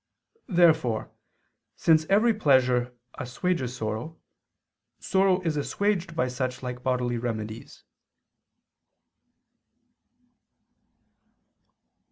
Therefore, since every pleasure assuages sorrow, sorrow is assuaged by such like bodily remedies.